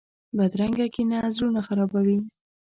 بدرنګه کینه زړونه خرابوي